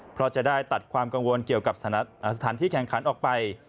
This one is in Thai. เพราะจะได้ตัดความกังวลเกี่ยวกับสถานที่แข่งขันออกไป